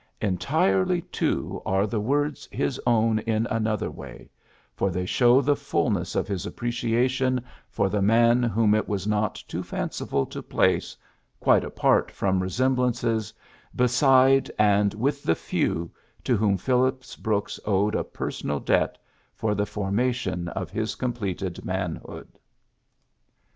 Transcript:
Entirely, too, are the words his own in another way ; for they show the fulness of his appreciation for the man whom it is not too fanciful to place quite apart from resemblan ces beside and with the few to whom Phillips Brooks owed a personal debt for the formation of his completed manhood.